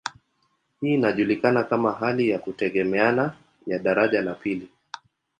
Hii inajulikana kama hali ya kutegemeana ya daraja la pili.